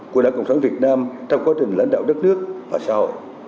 của đảng cộng sản việt nam trong quá trình lãnh đạo đất nước và xã hội